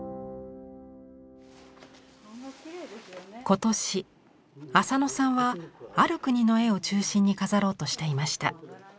今年浅野さんはある国の絵を中心に飾ろうとしていました。